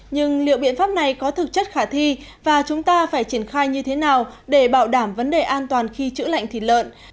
nhưng liệu biện pháp này có thực chất khả thi và chúng ta phải triển khai như thế nào để bảo đảm vấn đề an toàn khi chữ lệnh thịt lợn